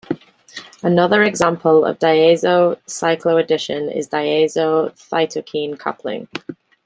Another example of a diazo cycloaddition is a diazo-thioketone coupling.